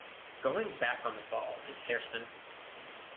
Going back on the ball is Hairston.